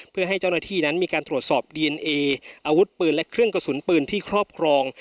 เพื่อให้เจ้าหน้าที่นั้นมีการตรวจสอบดีเอนเออาวุธปืนและเครื่องกระสุนปืนที่ครอบครอง